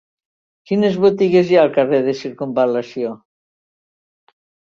Quines botigues hi ha al carrer de Circumval·lació?